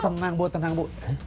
tenang bu tenang bu